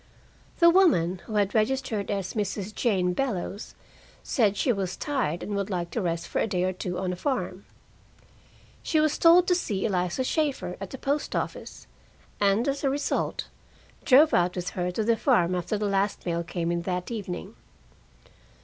The woman, who had registered as Mrs. Jane Bellows, said she was tired and would like to rest for a day or two on a farm. She was told to see Eliza Shaeffer at the post office, and, as a result, drove out with her to the farm after the last mail came in that evening.